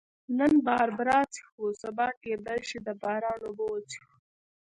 نن باربرا څښو، سبا کېدای شي د باران اوبه وڅښو.